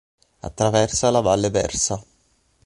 Attraversa la valle Versa.